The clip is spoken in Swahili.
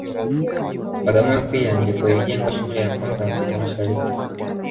Bagamoyo pia ndipo ilijengwa shule ya kwanza Afrika Mashariki